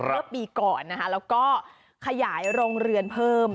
เมื่อปีก่อนนะคะแล้วก็ขยายโรงเรือนเพิ่ม